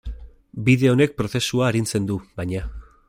Bide honek prozesua arintzen du, baina.